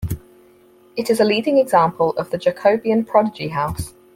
It is a leading example of the Jacobean prodigy house.